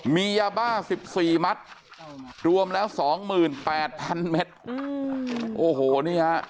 มียาบ้าสิบสี่มัดรวมแล้วสองหมื่นแปดพันเมตรโอ้โหนี่ฮะ